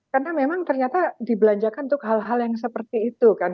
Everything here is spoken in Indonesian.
karena memang ternyata dibelanjakan untuk hal hal yang seperti itu kan